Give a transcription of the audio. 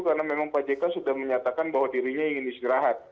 karena memang pak jk sudah menyatakan bahwa dirinya ingin disgerahkan